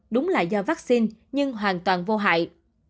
đúng là do vaccine nhưng hoàn toàn vô hại